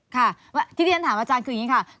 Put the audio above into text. ค่ะที่ที่ฉันถามอาจารย์คืออย่างนี้ค่ะ